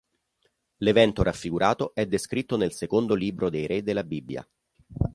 L'evento raffigurato è descritto nel Secondo Libro dei re della Bibbia.